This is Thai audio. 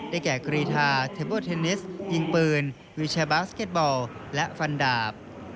แก่กรีธาเทเบิลเทนนิสยิงปืนวิวแชร์บาสเก็ตบอลและฟันดาบ